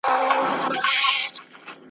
له ازل هېره افغانستانه,